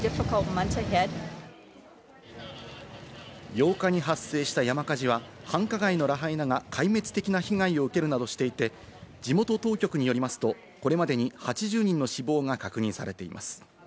８日に発生した山火事は、繁華街のラハイナが壊滅的な被害を受けるなどしていて、地元当局によりますと、これまでに８０人の死亡が確認されています。